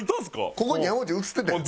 ここに山内映っててん。